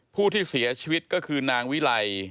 ผู้ที่เสียชีวิตก็คือนางวิไล